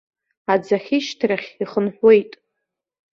Аӡы ахьышьҭрахь ихынҳәуеит.